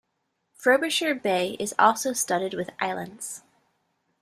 Frobisher Bay is also studded with islands.